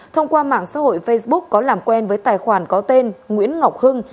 thông qua mạng xã hội facebook có làm quen với tài khoản có tên nguyễn ngọc hưng